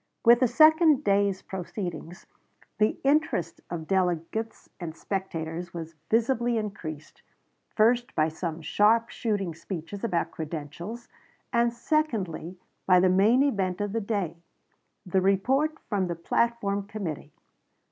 With the second day's proceedings the interest of delegates and spectators was visibly increased, first by some sharp shooting speeches about credentials, and secondly by the main event of the day the report from the platform committee.